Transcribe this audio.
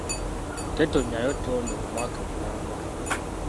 Tetonnyayo ttondo mu mwaka mulamba.